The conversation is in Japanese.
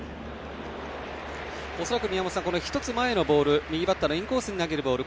恐らく、宮本さん１つ前のボール右バッターのインコースに投げるボール